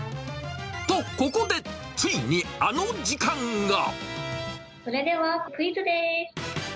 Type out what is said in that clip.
とここで、ついにあの時間が。それではクイズです。